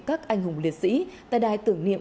các anh hùng liệt sĩ tại đài tưởng niệm